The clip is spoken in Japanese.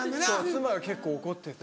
妻が結構怒ってて。